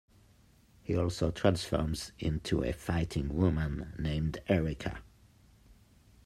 He also transforms into a fighting woman named Erika.